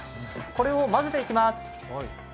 これを混ぜていきます。